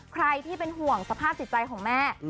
ใครที่เป็นห่วงสภาพจิตใจของแม่